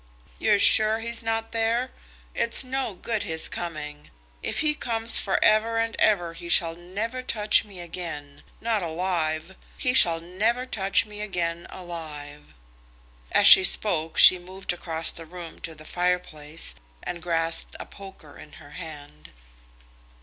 "You're sure he's not there? It's no good his coming. If he comes for ever and ever he shall never touch me again; not alive; he shall never touch me again alive." As she spoke she moved across the room to the fire place and grasped the poker in her hand.